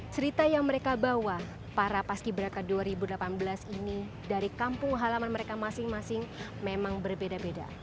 cerita yang mereka bawa para paski beraka dua ribu delapan belas ini dari kampung halaman mereka masing masing memang berbeda beda